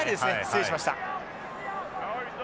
失礼しました。